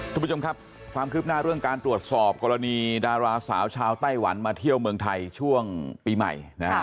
คุณผู้ชมครับความคืบหน้าเรื่องการตรวจสอบกรณีดาราสาวชาวไต้หวันมาเที่ยวเมืองไทยช่วงปีใหม่นะฮะ